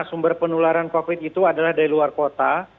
sumber penularan covid itu adalah dari luar kota